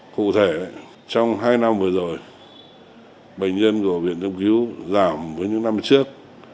cụ thể trong hai năm vừa rồi bệnh nhân của viện đông cứu giảm với những năm trước